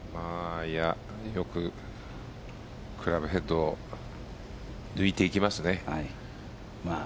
よくクラブヘッド抜いていきますね。